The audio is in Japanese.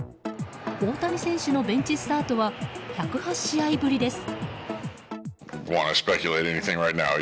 大谷選手のベンチスタートは１０８試合ぶりです。